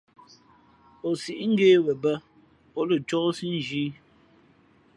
O sǐʼ ngě wen bᾱ, ǒ lα cóhsí nzhī ī .